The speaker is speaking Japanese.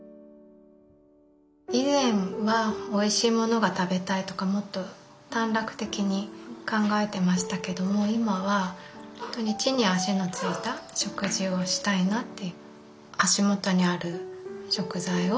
以前はおいしいものが食べたいとかもっと短絡的に考えてましたけども今はほんとに地に足のついた食事をしたいなって。